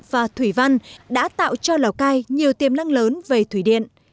và thủy văn đã tạo cho lào cai nhiều tiềm năng lớn về thủy điện